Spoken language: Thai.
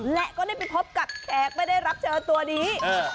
และก็ได้ไปพบกับแขกไม่ได้รับเชิญตัวนี้